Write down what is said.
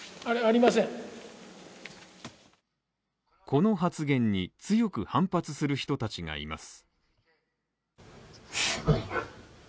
この発言に強く反発する人たちがいます。